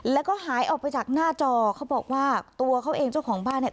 แล้วก็หายออกไปจากหน้าจอเขาบอกว่าตัวเขาเองเจ้าของบ้านเนี่ย